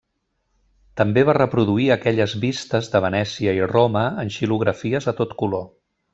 També va reproduir aquelles vistes de Venècia i Roma en xilografies a tot color.